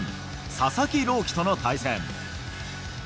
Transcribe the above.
佐々木朗希との対戦。